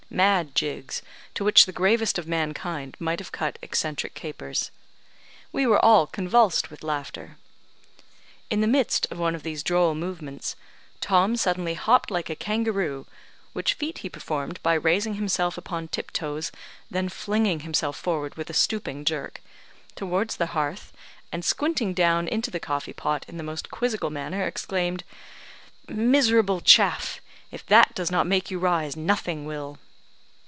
Mad jigs, to which the gravest of mankind might have cut eccentric capers. We were all convulsed with laughter. In the midst of one of these droll movements, Tom suddenly hopped like a kangaroo (which feat he performed by raising himself upon tip toes, then flinging himself forward with a stooping jerk), towards the hearth, and squinting down into the coffee pot in the most quizzical manner, exclaimed, "Miserable chaff! If that does not make you rise nothing will."